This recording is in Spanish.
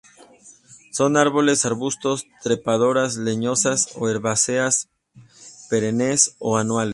Son árboles, arbustos, trepadoras leñosas o herbáceas perennes o anuales.